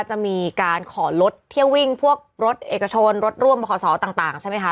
จะมีการขอรถเที่ยววิ่งพวกรถเอกชนรถร่วมบขศต่างใช่ไหมคะ